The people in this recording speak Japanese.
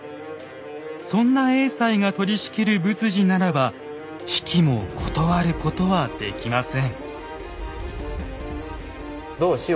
そんな栄西が取りしきる仏事ならば比企も断ることはできません。